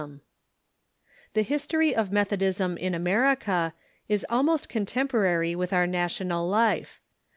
] The history of Methodism in America is almost contempo rary with our national life.